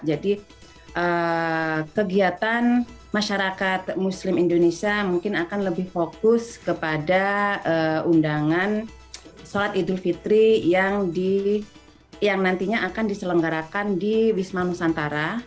jadi kegiatan masyarakat muslim indonesia mungkin akan lebih fokus kepada undangan sholat idul fitri yang nantinya akan diselenggarakan di wisma nusantara